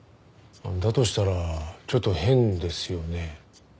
だとしたらちょっと変ですよね。